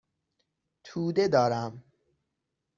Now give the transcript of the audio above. توده دارم.